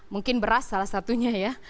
mungkin beras salah satunya ya